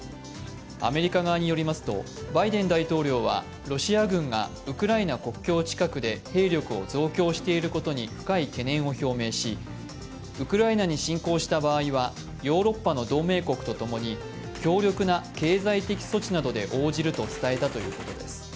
アメリカ側によりますと、バイデン大統領はロシア軍がウクライナ国境近くで兵力を増強していることに深い懸念を表明し、ウクライナに侵攻した場合はヨーロッパの同盟国と共に強力な経済的措置などで応じると伝えたということです。